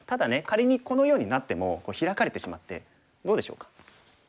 仮にこのようになってもヒラかれてしまってどうでしょうか？